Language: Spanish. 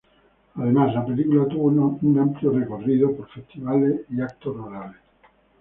Además, la película tuvo un amplio recorrido por festivales y eventos rurales.